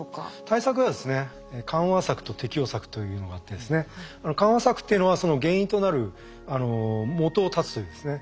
対策はですね緩和策と適応策というのがあってですね緩和策っていうのはその原因となるもとを断つというですね